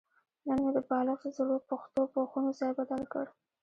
نن مې د بالښت زړو پوښونو ځای بدل کړ.